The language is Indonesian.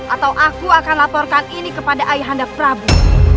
atau aku akan laporkan ini kepada ayahanda prabu